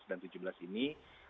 dan tujuh belas ini